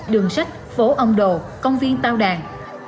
đường sách phố ông đồ công viên tào đàn